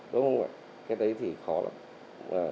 đúng không ạ cái đấy thì khó lắm